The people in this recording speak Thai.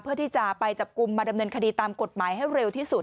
เพื่อที่จะไปจับกลุ่มมาดำเนินคดีตามกฎหมายให้เร็วที่สุด